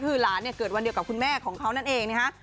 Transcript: คือหลานเนี่ยเกิดวันเดียวกับคุณแม่ของเขานั่นเองนะฮะ